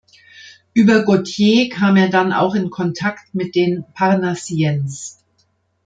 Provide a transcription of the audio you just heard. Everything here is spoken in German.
Über Gautier kam er dann auch in Kontakt mit den "Parnassiens".